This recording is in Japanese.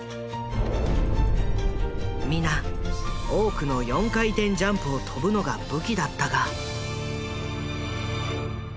皆多くの４回転ジャンプを跳ぶのが武器だったが。